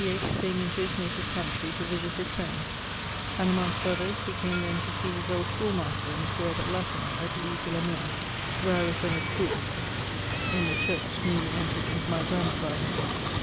H. came into his native country to visitt his friends, and amongst others he came then to see his old school master, Mr. Robert Latimer[CI.], at Leigh de la mer, where I was then at schoole[CII.] in the church, newly entred into my grammar by him.